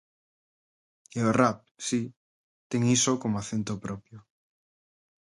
E o rap, si, ten iso como acento propio.